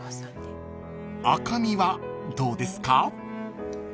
［赤身はどうですか？］